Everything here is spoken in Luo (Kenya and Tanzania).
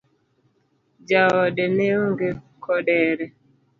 Jaode neonge kodere?